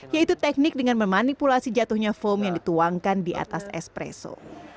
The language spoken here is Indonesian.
yaitu teknik dengan memanipulasi jatuhnya foam yang dituangkan di atas espresso